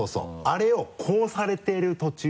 あれをこうされてる途中。